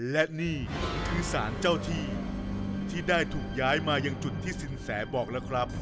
และนี่คือสารเจ้าที่ที่ได้ถูกย้ายมายังจุดที่สินแสบอกแล้วครับ